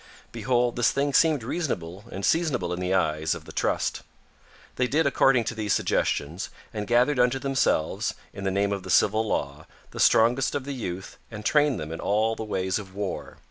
Behold this thing seemed reasonable and seasonable in the eyes of the Trust. They did according to these suggestions and gathered unto themselves, in the name of the civil law, the strongest of the youth and trained them in all the ways of war.